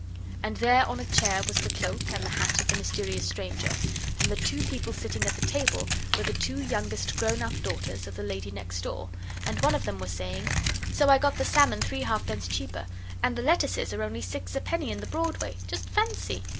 And there on a chair was the cloak and the hat of the mysterious stranger, and the two people sitting at the table were the two youngest grown up daughters of the lady next door, and one of them was saying 'So I got the salmon three halfpence cheaper, and the lettuces are only six a penny in the Broadway, just fancy!